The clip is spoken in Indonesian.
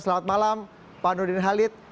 selamat malam pak nurdin halid